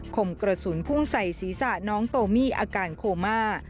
คมกระสุนพุ่งใส่ศีรษะน้องโตมี่อาการโคม่า